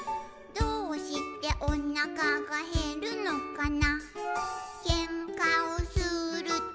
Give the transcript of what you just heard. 「どうしておなかがへるのかな」